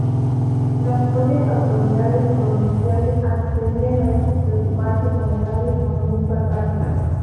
Las propias autoridades provinciales accedían a esas preocupantes novedades con mucho atraso.